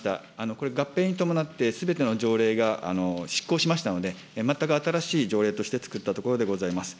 これ、合併に伴ってすべての条例がしっこうしましたので、全く新しい条例として作ったところでございます。